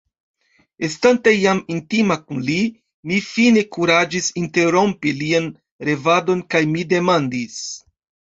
Estante jam intima kun li, mi fine kuraĝis interrompi lian revadon kaj mi demandis: